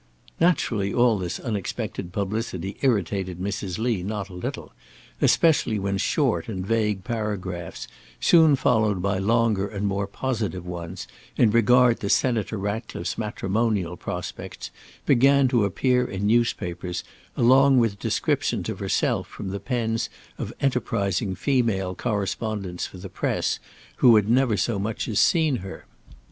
Naturally all this unexpected publicity irritated Mrs. Lee not a little, especially when short and vague paragraphs, soon followed by longer and more positive ones, in regard to Senator Ratcliffe's matrimonial prospects, began to appear in newspapers, along with descriptions of herself from the pens of enterprising female correspondents for the press, who had never so much as seen her.